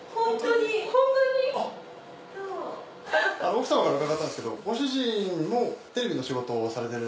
奥様から伺ったんですけどご主人もテレビの仕事をされてる。